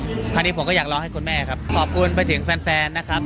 คราวนี้ผมก็อยากร้องให้คุณแม่ครับ